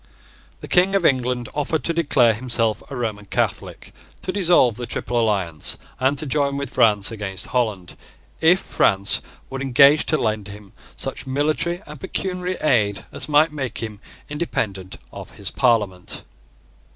The King of England offered to declare himself a Roman Catholic, to dissolve the Triple Alliance, and to join with France against Holland, if France would engage to lend him such military and pecuniary aid as might make him independent of his parliament.